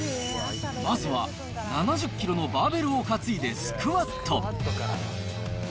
まずは７０キロのバーベルを担いでスクワット。